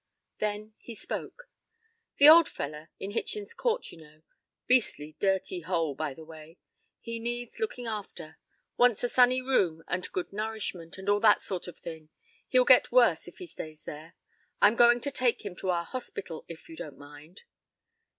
Then he spoke. "The old fellow in Hitchen's Court, you know beastly dirty hole, by the way he needs looking after, wants a sunny room and good nourishment, and all that sort of thing. He'll get worse if he stays there. I'm going to take him to our hospital, if you don't mind."